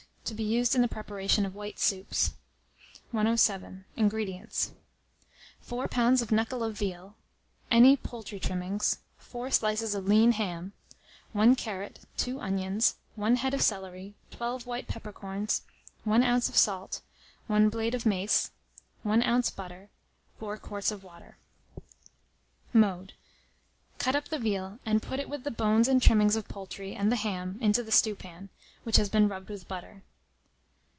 (To be Used in the Preparation of White Soups.) 107. INGREDIENTS. 4 lbs. of knuckle of veal, any poultry trimmings, 4 slices of lean ham, 1 carrot, 2 onions, 1 head of celery, 12 white peppercorns, 1 oz. of salt, 1 blade of mace, 1 oz. butter, 4 quarts of water. Mode. Cut up the veal, and put it with the bones and trimmings of poultry, and the ham, into the stewpan, which has been rubbed with the butter.